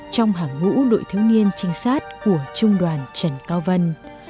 trong hàng ngũ đội thiếu niên trinh sát của trung đoàn trần cao vân